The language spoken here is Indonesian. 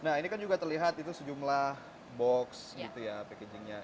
nah ini kan juga terlihat itu sejumlah box gitu ya packagingnya